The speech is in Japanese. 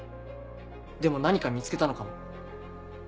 でも何か見つけたのかも。